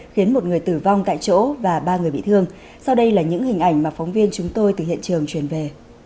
khiến một người tử vong tại chỗ và ba người bị thương sau đây là những hình ảnh mà phóng viên chúng tôi từ hiện trường chuyển về